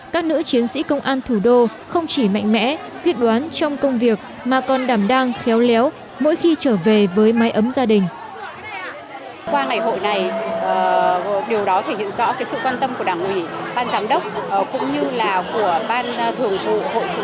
các nữ chiến sĩ công an thủ đô không chỉ mạnh mẽ quyết đoán trong công việc mà còn đảm đang khéo léo mỗi khi trở về với máy ấm gia đình